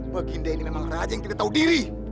baginda ini memang raja yang tidak tahu diri